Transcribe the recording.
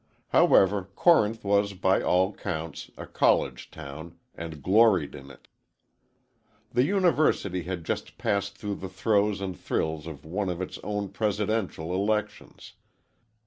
However, Corinth was by all counts, a college town, and gloried in it. The University had just passed through the throes and thrills of one of its own presidential elections.